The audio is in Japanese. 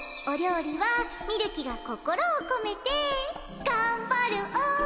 お料理はみるきが心を込めて頑張るお！